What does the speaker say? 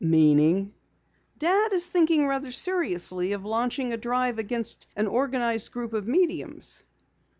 "Meaning ?" "Dad is thinking rather seriously of launching a drive against an organized group of mediums."